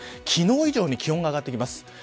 昨日以上に気温が上がってきます。